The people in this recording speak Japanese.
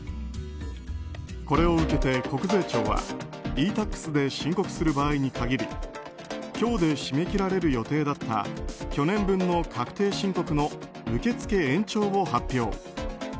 これを受けて国税庁はｅ‐Ｔａｘで申告する場合に限り今日で締め切られる予定だった去年分の確定申告の受け付け延長を発表。